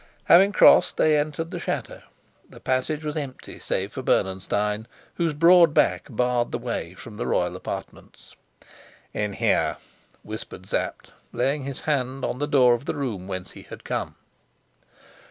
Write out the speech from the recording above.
Having crossed, they entered the chateau. The passage was empty, save for Bernenstein, whose broad back barred the way from the royal apartments. "In here," whispered Sapt, laying his hand on the door of the room whence he had come.